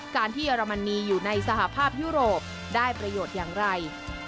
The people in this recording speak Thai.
การที่เยอรมนีอยู่ในสหภาพยุโรปได้ประโยชน์อย่างไร